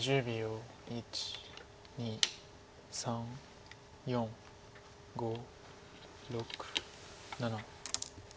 １２３４５６７。